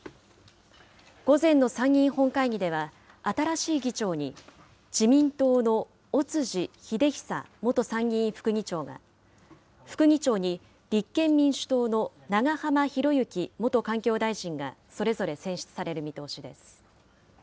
午前の参議院本会議では、新しい議長に自民党の尾辻秀久元参議院副議長が、副議長に立憲民主党の長浜博行元環境大臣がそれぞれ選出される見通しです。